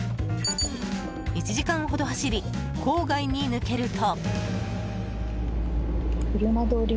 １時間ほど走り郊外に抜けると。